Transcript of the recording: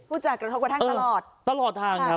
พูดจากกระทบกระทั่งตลอด